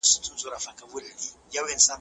آیا ستاسې ژبه ستاسې هویت دی؟